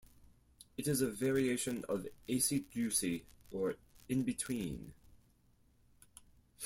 It is a variation of acey-deucey or in-between.